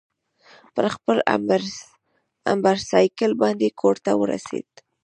پر خپل امبرسایکل باندې کورته ورسېد.